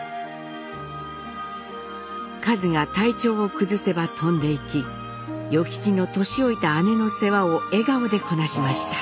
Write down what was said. かづが体調を崩せば飛んでいき与吉の年老いた姉の世話を笑顔でこなしました。